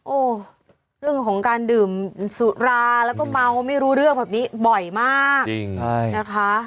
โอ้โหเรื่องของการดื่มสุราแล้วก็เมาไม่รู้เรื่องแบบนี้บ่อยมากจริงใช่นะคะ